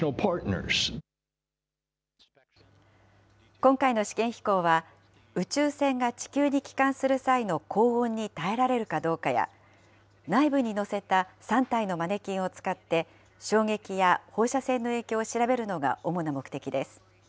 今回の試験飛行は、宇宙船が地球に帰還する際の高温に耐えられるかどうかや、内部に載せた３体のマネキンを使って、衝撃や放射線の影響を調べるのが主な目的です。